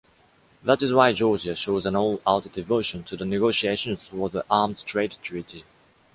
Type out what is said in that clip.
That is why Georgia shows an all-out devotion to the negotiations towards the Arms Trade Treaty.